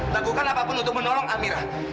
lakukan apapun untuk menolong amirah